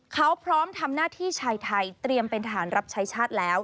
เขาพร้อมทำหน้าที่ชายไทยเตรียมเป็นทหารรับใช้ชาติแล้ว